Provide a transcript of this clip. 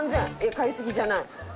買いすぎじゃない。